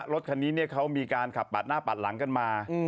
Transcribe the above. รถคันนี้เนี่ยเขามีการขับหน้าปัดหลังมา